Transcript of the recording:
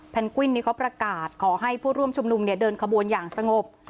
กวินนี้เขาประกาศขอให้ผู้ร่วมชุมนุมเดินขบวนอย่างสงบ